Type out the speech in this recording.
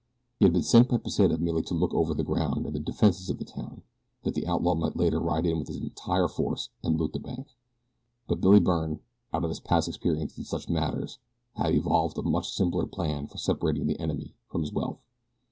He had been sent by Pesita merely to look over the ground and the defenses of the town, that the outlaw might later ride in with his entire force and loot the bank; but Billy Byrne, out of his past experience in such matters, had evolved a much simpler plan for separating the enemy from his wealth.